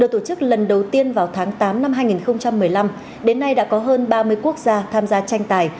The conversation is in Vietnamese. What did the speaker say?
trước lần đầu tiên vào tháng tám năm hai nghìn một mươi năm đến nay đã có hơn ba mươi quốc gia tham gia tranh tài